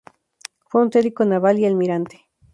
Fue un teórico naval y almirante.